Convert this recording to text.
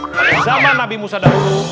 pada zaman nabi musa dahulu